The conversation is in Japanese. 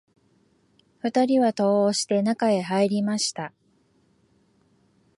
二人は戸を押して、中へ入りました